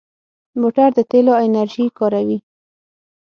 موټر د تېلو انرژي کاروي.